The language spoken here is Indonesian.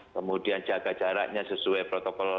kemudian jaga jaraknya sesuai protokol